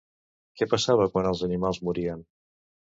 Què passava quan els animals morien?